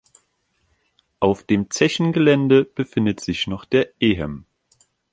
Auf dem Zechengelände befindet sich noch der ehem.